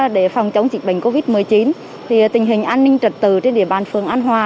để phòng chống dịch bệnh covid một mươi chín tình hình an ninh trật tự trên địa bàn phường an hòa